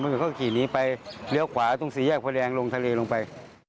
มันจะเข้าขี่นี้ไปเลี้ยวขวาตรงสี่แยกพลแดงลงทะเลลงไป